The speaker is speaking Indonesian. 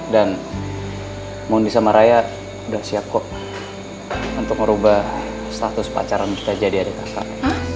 dan mundi samaraya udah siap kok untuk ngerubah status pacaran kita jadi adik kakak